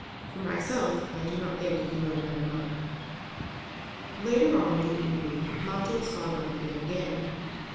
For myself, I do not think that he can live another month." Later on in the evening Mountjoy Scarborough began again.